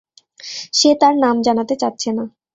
সে তার নাম জানাতে চাচ্ছে না।